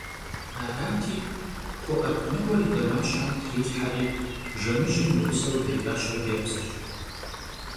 Arati, xu khep nıkhuer yi damaşhem trilhheri jjemıjım yi ğuseu deç'aş xhıcebzır.